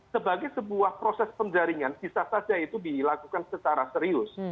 sebagai sebuah proses penjaringan bisa saja itu dilakukan secara serius